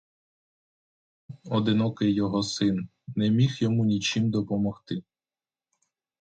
Він, одинокий його син, не міг йому нічим помогти.